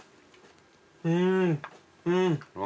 うんうん。